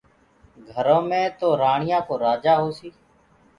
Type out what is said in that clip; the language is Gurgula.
گھرو مي تو رآڻيآ ڪو رآجآ هوسي